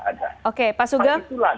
bom diwaktifkan maupun jangan